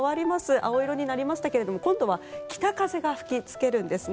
青色になりましたが今度は北風が吹きつけるんですね。